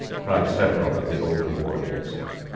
cried several of the older warriors.